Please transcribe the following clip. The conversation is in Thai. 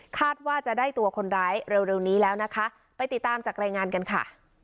ว่าจะได้ตัวคนร้ายเร็วนี้แล้วนะคะไปติดตามจากรายงานกันค่ะ